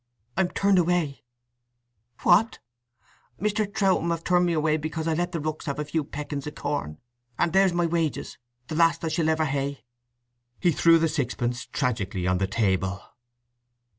"I'm turned away." "What?" "Mr. Troutham have turned me away because I let the rooks have a few peckings of corn. And there's my wages—the last I shall ever hae!" He threw the sixpence tragically on the table.